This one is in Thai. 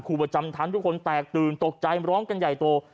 ประจำชั้นทุกคนแตกตื่นตกใจร้องกันใหญ่โต